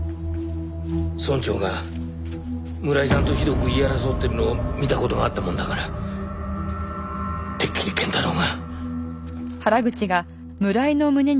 村長が村井さんとひどく言い争ってるのを見た事があったもんだからてっきり謙太郎が。